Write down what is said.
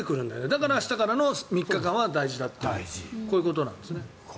だから明日からの３日間は大事だというこういうことなんですね。